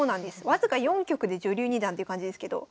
わずか４局で女流二段という感じですけど。